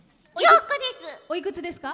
おいくつですか？